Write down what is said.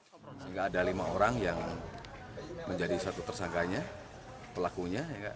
sehingga ada lima orang yang menjadi satu tersangkanya pelakunya